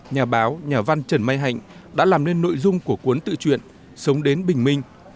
nhà báo nhà văn trần mai hạnh đã làm nên nội dung của cuốn tự truyện sống đến bình minh